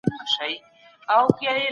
کمپيوټر ږغ په ليک بدلوي.